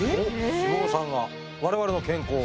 脂肪さんが我々の健康を？